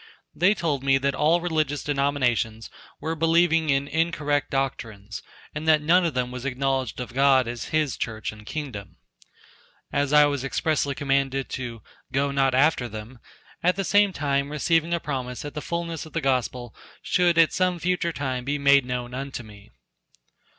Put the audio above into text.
They told me that all religious denominations were believing in incorrect doctrines and that none of them was acknowledged of God as His Church and kingdom. And I was expressly commanded to "go not after them," at the same time receiving a promise that the fullness of the gospel should at some future time be made known unto me.